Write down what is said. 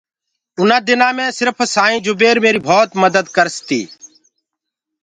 اُنآ دِنآ مينٚ سرڦ سآئيٚنٚ جُبير ميري ڀوت مَدت ڪَرس تي